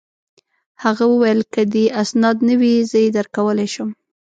هغه وویل: که دي اسناد نه وي، زه يې درکولای شم.